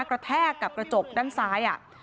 แทกกับกระจกด้านซ้าย